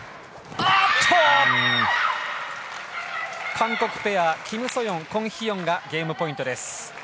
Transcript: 韓国ペア、キム・ソヨンコン・ヒヨンがゲームポイントです。